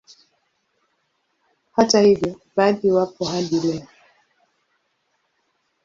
Hata hivyo baadhi wapo hadi leo